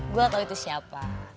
gue tau itu siapa